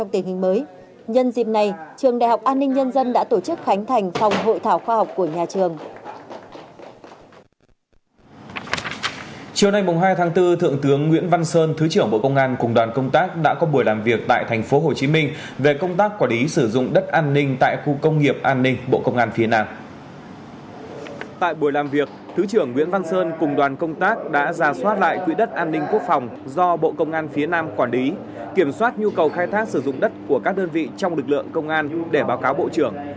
tại buổi làm việc thứ trưởng nguyễn văn sơn cùng đoàn công tác đã ra soát lại quỹ đất an ninh quốc phòng do bộ công an phía nam quản lý kiểm soát nhu cầu khai thác sử dụng đất của các đơn vị trong lực lượng công an để báo cáo bộ trưởng